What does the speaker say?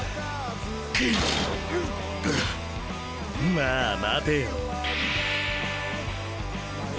まあ待てよ。